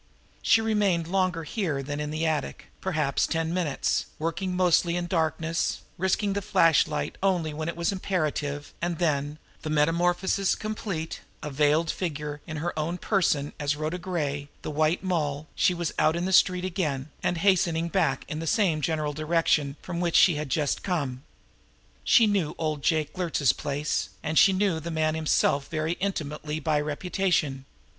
She remained longer here than in the attic, perhaps ten minutes, working mostly in the darkness, risking the flashlight only when it was imperative; and then, the metamorphosis complete, a veiled figure, in her own person, as Rhoda Gray, the White Moll, she was out on the street again, and hastening back in the same general direction from which she had just come. She knew old Jake Luertz's place, and she knew the man himself very intimately by reputation.